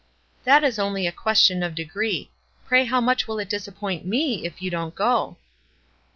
"That is only a question of degree. Pray how much will it disappoint me if you don't go?"